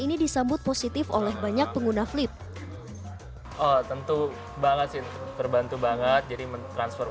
ini disambut positif oleh banyak pengguna flip oh tentu banget sih terbantu banget jadi mentransfer